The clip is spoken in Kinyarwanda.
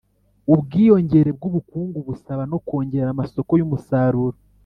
ubwiyongere bw'ubukungu busaba no kongera amasoko y'umusaruro.